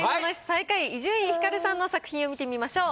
最下位伊集院光さんの作品を見てみましょう。